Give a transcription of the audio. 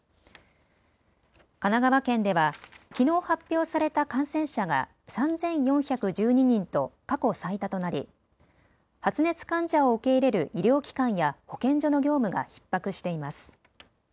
神奈川県では、きのう発表された感染者が３４１２人と過去最多となり発熱患者を受け入れる医療機関や保健所の業務がひっ迫しています。